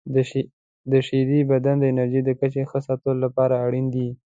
• شیدې د بدن د انرژۍ د کچې ښه ساتلو لپاره اړینې دي.